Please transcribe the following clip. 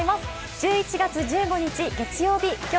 １１月１５日、月曜日。